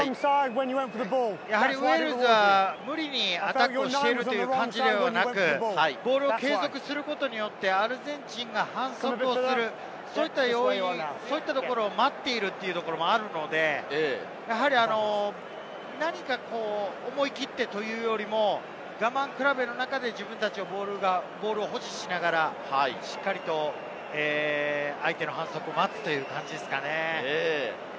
ウェールズは無理にアタックをしているという感じではなく、ボールを継続することによってアルゼンチンが反則をする、そういったところを待っていることもあるので、何か思い切ってというよりも我慢比べの中で自分たちのボールを保持しながら、相手の反則を待つという感じですかね。